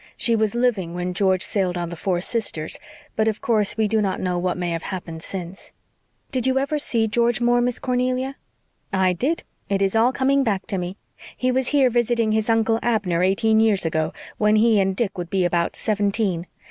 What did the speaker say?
She was living when George sailed on the Four Sisters, but of course we do not know what may have happened since. Did you ever see George Moore, Miss Cornelia?" "I did. It is all coming back to me. He was here visiting his Uncle Abner eighteen years ago, when he and Dick would be about seventeen.